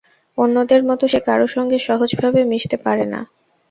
অন্যদের মতো সে কারো সঙ্গে সহজভাবে মিশতে পারে না।